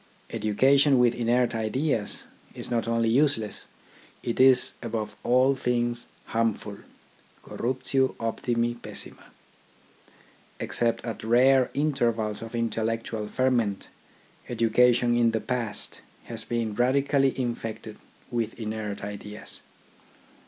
Education with inert ideas is not only useless : it is, above all things, harmful — Corruptio optimi, pessima. Ex cept at rare intervals of intellectual ferment, THE AIMS OF EDUCATION 5 education in the past has been radically infected with inert ideas.